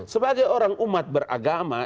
sebagai orang umat beragama